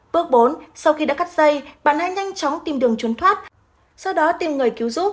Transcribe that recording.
bước bốn sau khi đã cắt dây bạn hãy nhanh chóng tìm đường trốn thoát sau đó tìm người cứu giúp